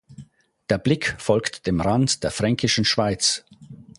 Der Blick folgt dem Rand der Fränkischen Schweiz.